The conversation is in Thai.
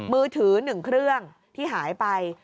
มือถือ๑เครื่องที่หายไป